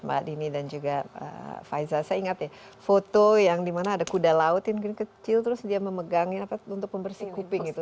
mbak dini dan juga faiza saya ingat ya foto yang dimana ada kuda laut yang kecil terus dia memegang untuk membersih kuping gitu